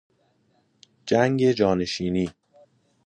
جنگ جانشینی